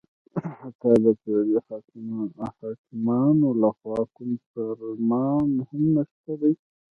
حتی د فعلي حاکمانو لخوا کوم فرمان هم نشته دی